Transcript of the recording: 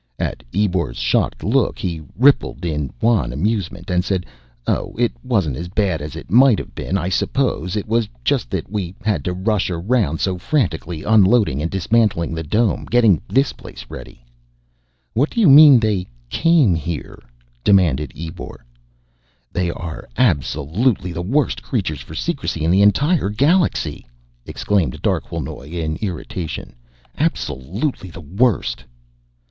At Ebor's shocked look, he rippled in wan amusement and said, "Oh, it wasn't as bad as it might have been, I suppose. It was just that we had to rush around so frantically, unloading and dismantling the dome, getting this place ready " "What do you mean, they came here?" demanded Ebor. "They are absolutely the worst creatures for secrecy in the entire galaxy!" exclaimed Darquelnoy in irritation. "Absolutely the worst."